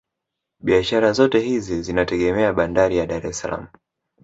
Biashara zote hizi zinategemea bandari ya Dar es salaam